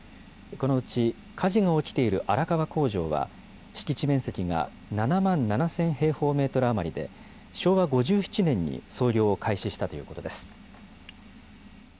このうち火事が起きている荒川工場は、敷地面積が７万７０００平方メートル余りで、昭和５７年に操業を開始したということです。